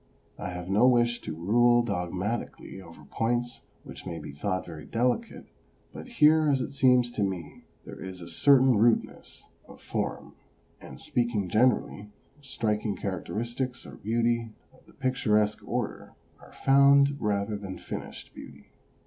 I have no wish to rule dogmatically over points which may be thought very delicate, but here, as it seems to me, there is a certain rudeness of form, and speaking generally, striking characteristics or beauty of the picturesque order are found rather than finished beauty.